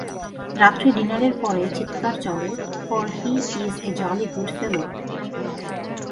রাত্রে ডিনারের পরে চীৎকার চলে, for he is a jolly good fellow.